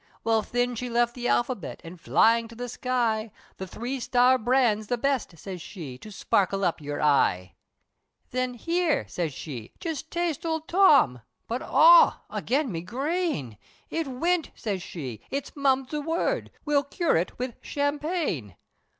Well thin she left the alphabet, An' flying to the sky, "The three star brand's the best" siz she, "To sparkle up your eye," Thin "here!" says she "just taste Owld Tom," But augh! agin me grain It wint! siz she "It's mum's the word, We'll cure it, wid champagne!"